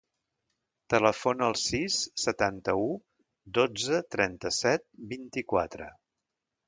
Telefona al sis, setanta-u, dotze, trenta-set, vint-i-quatre.